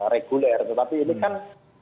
reguler tetapi ini kan